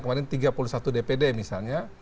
kemarin tiga puluh satu dpd misalnya